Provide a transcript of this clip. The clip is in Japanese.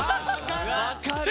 分かる！